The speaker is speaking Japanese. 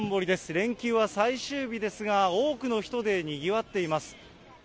連休は最終日ですが、多くの人でにぎわっています。